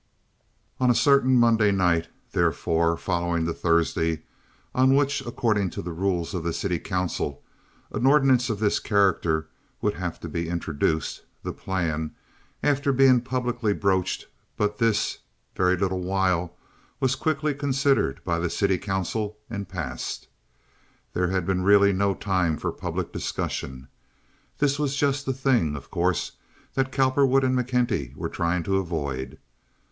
On a certain Monday night, therefore, following the Thursday on which, according to the rules of the city council, an ordinance of this character would have to be introduced, the plan, after being publicly broached but this very little while, was quickly considered by the city council and passed. There had been really no time for public discussion. This was just the thing, of course, that Cowperwood and McKenty were trying to avoid.